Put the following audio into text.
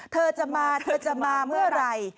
เธอจะมาเธอจะมาเมื่อไหร่